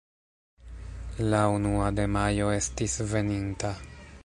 La unua de Majo estis veninta.